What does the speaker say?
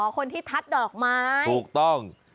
คนที่ทัดดอกไม้ถูกต้อง